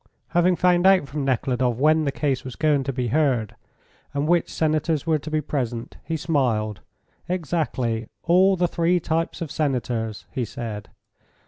Having found out from Nekhludoff when the case was going to be heard, and which senators were to be present, he smiled. "Exactly, all the three types of senators," he said.